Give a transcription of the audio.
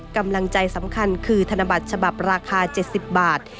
กำลังใจสำคัญคือธนบัตรฉบับราคา๗๐บาท